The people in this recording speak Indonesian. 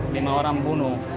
lima orang bunuh